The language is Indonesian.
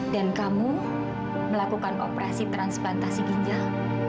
dan kamu melakukan operasi transplantasi ginjal